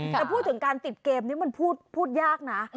แต่พูดถึงการติดเกมนี้มันพูดยากนะ